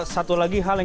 satu lagi hal yang